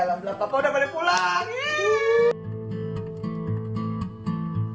lama lama papa udah balik pulang